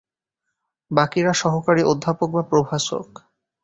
বাকিরা সহকারী অধ্যাপক বা প্রভাষক।